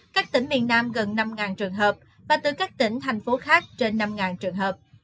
các tỉnh miền nam gần năm trường hợp và từ các tỉnh thành phố khác trên năm trường hợp